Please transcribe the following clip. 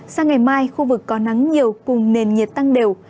sang ngày mai khu vực có nắng nhiều cùng nền nhiệt tăng đều